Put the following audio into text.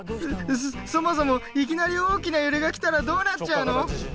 そもそもいきなり大きな揺れが来たらどうなっちゃうの！？